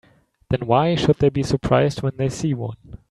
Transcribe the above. Then why should they be surprised when they see one?